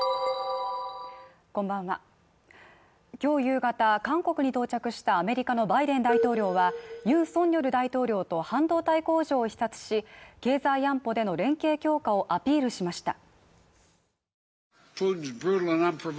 今日夕方、韓国に到着したアメリカのバイデン大統領はユン・ソンニョル大統領と半導体工場を視察し経済安保での連携強化をアピールしました。